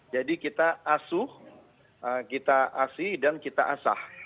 jadi kita asuh kita asi dan kita asah